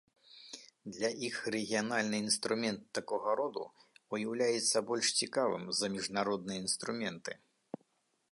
Для іх рэгіянальны інструмент такога роду уяўляецца больш цікавым за міжнародныя інструменты.